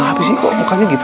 habis sih kok mukanya gitu